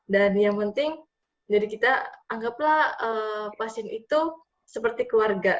dan yang penting anggaplah pasien itu seperti keluarga